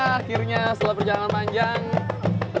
akhirnya setelah perjalanan panjang